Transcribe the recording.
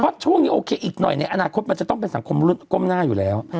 เพราะช่วงนี้โอเคอีกหน่อยในอนาคตมันจะต้องเป็นสังคมรุ่นก้มหน้าอยู่แล้ว